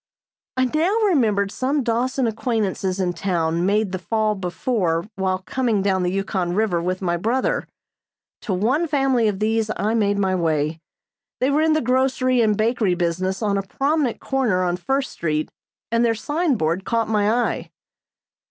I now remembered some Dawson acquaintances in town made the fall before while coming down the Yukon River with my brother. To one family of these I made my way. They were in the grocery and bakery business on a prominent corner on First street and their signboard caught my eye.